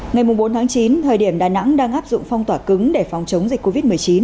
ngày bốn tháng chín thời điểm đà nẵng đang áp dụng phong tỏa cứng để phòng chống dịch covid một mươi chín